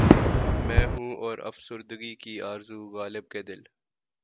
میں ہوں اور افسردگی کی آرزو غالبؔ کہ دل